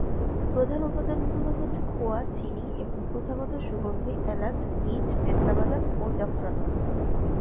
প্রধান উপাদানগুলো হচ্ছে খোয়া, চিনি এবং প্রথাগত সুগন্ধি, এলাচ বীজ, পেস্তা বাদাম ও জাফরান।